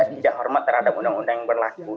tidak hormat terhadap undang undang yang berlaku